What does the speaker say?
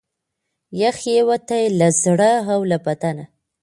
یخ یې ووتی له زړه او له بدنه